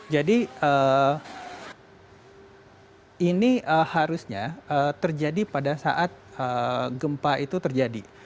jadi ini harusnya terjadi pada saat gempa itu terjadi